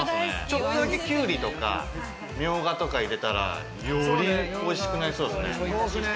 ちょっとだけきゅうりとかみょうがとか入れたらよりおいしくなりそうですね。